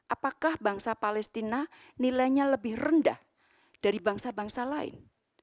apakah bangsa palestina nilainya lebih rendah dari bangsa bangsa lain